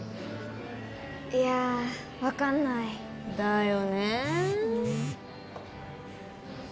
いや分かんないだよね